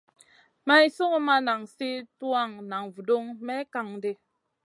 Maï sungu ma nan sli tuwan na vudoŋ may kan ɗi.